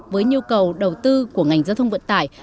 với nhu cầu đầu tư của ngành giao thông vận tải